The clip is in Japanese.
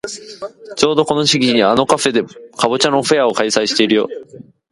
ちょうどこの時期にあのカフェでかぼちゃのフェアを開催してるよ。